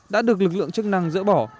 đã được lực lượng chức năng dỡ bỏ